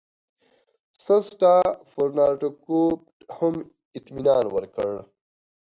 سرسټافورنارتکوټ هم اطمینان ورکړ.